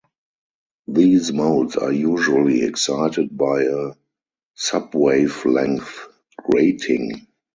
These modes are usually excited by a subwavelength grating.